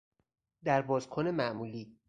در باز کن معمولی